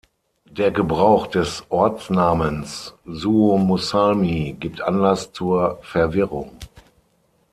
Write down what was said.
Der Gebrauch des Ortsnamens Suomussalmi gibt Anlass zur Verwirrung.